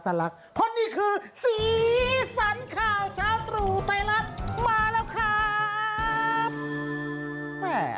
เพราะนี่คือสีสันข่าวเช้าตรู่ไทยรัฐมาแล้วครับ